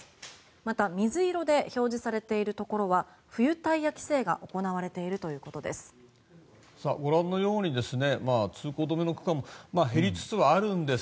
また水色で表示されているところは冬タイヤ規制が行われているということです。